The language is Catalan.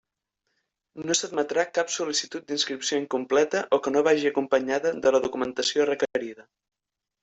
No s'admetrà cap sol·licitud d'inscripció incompleta o que no vagi acompanyada de la documentació requerida.